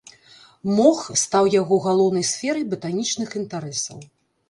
Мох стаў яго галоўнай сферай батанічных інтарэсаў.